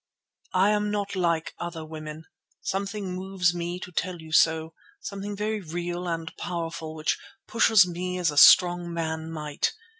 "I am not like other women. Something moves me to tell you so, something very real and powerful which pushes me as a strong man might.